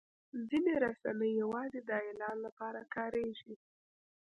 ځینې رسنۍ یوازې د اعلان لپاره کارېږي.